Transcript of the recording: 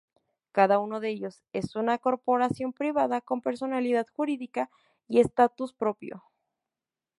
Cada uno de ellos es una corporación privada, con personalidad jurídica y estatutos propios.